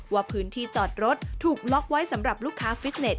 ว่าพื้นที่จอดรถถูกล็อกไว้สำหรับลูกค้าฟิตเน็ต